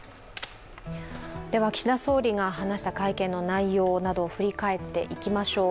岸田総理が話した会見の内容などを振り返っていきましょう。